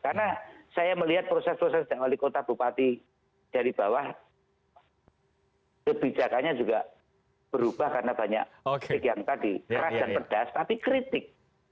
karena saya melihat proses proses yang oleh kota bupati dari bawah kebijakannya juga berubah karena banyak yang tadi keras dan pedas tapi kritik